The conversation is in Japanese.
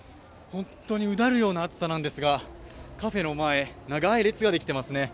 本当にうだるような暑さなんですがカフェの前、長い列ができていますね。